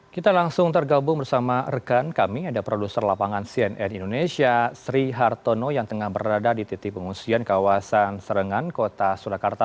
kita langsung tergabung bersama rekan kami ada produser lapangan cnn indonesia sri hartono yang tengah berada di titik pengungsian kawasan serengan kota surakarta